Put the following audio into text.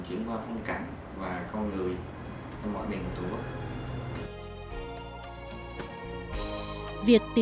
trong nước và quốc tế